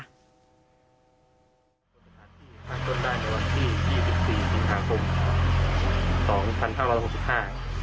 พันต้นได้ในวันที่ยี่สิบปีสิบหาคมสองพันห้าร้อยหกสิบห้า